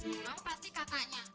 tidak pasti katanya